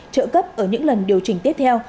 trợ cấp ở những lần điều chỉnh tiếp theo